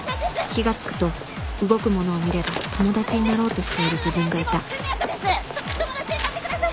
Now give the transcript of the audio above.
気が付くと動くものを見れば友達になろうとしている自分がいた友達になってください！